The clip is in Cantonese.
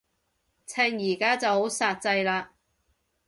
趁而家就好煞掣嘞